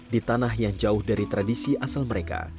di tanah yang jauh dari tradisi asal mereka